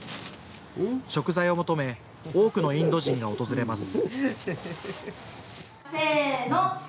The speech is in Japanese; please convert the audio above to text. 食材を求め多くのインド人が訪れます。